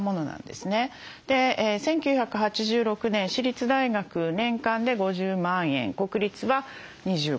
１９８６年私立大学年間で５０万円国立は２５万円。